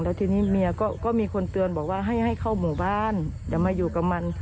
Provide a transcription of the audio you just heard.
แล้วทีนี้เมียก็มีคนเตือนบอกว่าให้ให้เข้าหมู่บ้านอย่ามาอยู่กับมัน